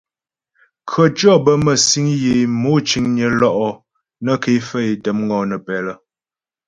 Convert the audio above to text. Khətʉɔ̌ bə mə́sîŋ yə é mò ciŋnyə lo'o nə́ ké faə́ é tə́ ŋɔnə́pɛ lə.